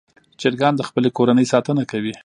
چرګان د خپلې کورنۍ ساتنه کوي.